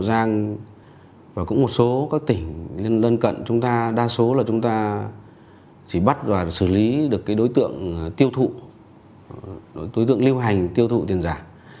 hậu giang và cũng một số các tỉnh lên cận chúng ta đa số là chúng ta chỉ bắt và xử lý được cái đối tượng tiêu thụ đối tượng lưu hành tiêu thụ tiền giả